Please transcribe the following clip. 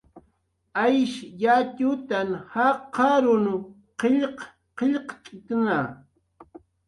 Aysh yatxutan jaqarunw qillq qillqt'ktna